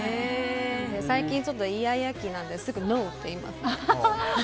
最近イヤイヤ期なのですぐノー！って言います。